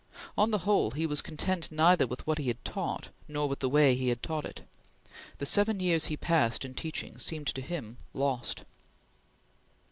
On the whole, he was content neither with what he had taught nor with the way he had taught it. The seven years he passed in teaching seemed to him lost.